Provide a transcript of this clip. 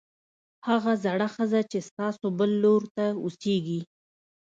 هغه زړه ښځه چې ستاسو بل لور ته اوسېږي